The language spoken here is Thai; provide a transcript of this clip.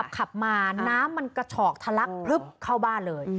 ขับมาน้ำมันกระฉอกทะลักพลึบเข้าบ้านเลย